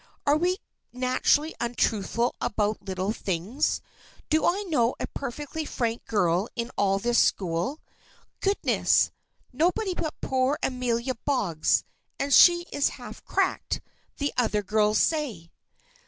Are we naturally untruthful about little things? Do I know a perfectly frank girl in all this school? Goodness! nobody but poor Amelia Boggs, and she is half cracked, the other girls say.